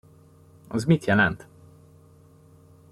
Az mit jelent?